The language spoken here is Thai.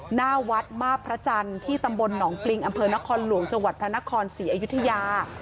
หน้าวัดมาบพระจันทร์ที่ตำบลหนองปริงอำเภอนครหลวงจังหวัดพระนครศรีอยุธยา